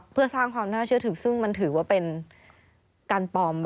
เพื่อสร้างความน่าเชื่อถือซึ่งมันถือว่าเป็นการปลอม